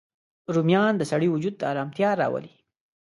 رومیان د سړی وجود ته ارامتیا راولي